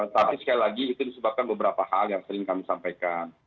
tapi sekali lagi itu disebabkan beberapa hal yang sering kami sampaikan